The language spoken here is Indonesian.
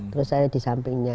terus saya di sampingnya